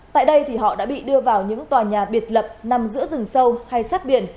tại đây thì họ đã bị đưa vào những tòa nhà biệt lập nằm giữa rừng sâu hay sát biển